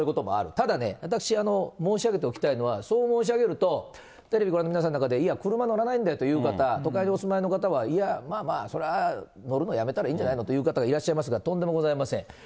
ただね、私、申し上げておきたいのは、そう申し上げると、テレビご覧の皆さんの中で、いや、車乗らないんだよという方、都会にお住まいの方は、いや、まあまあ、それは乗るのやめたらいいんじゃないのと言う方がいらっしゃいますが、とんでもございません。